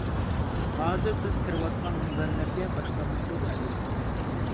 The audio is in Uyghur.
ھازىر بىز كىرىۋاتقان مۇنبەرلەرگە باشقىلارمۇ كىرىدۇ ئەلۋەتتە.